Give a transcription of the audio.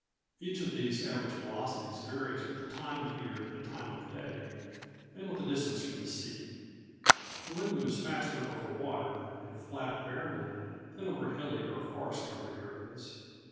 Each of these average velocities varies with the time of year and time of day, and with the distance from the sea. The wind moves faster over water and flat, bare land than over hilly or forest covered areas.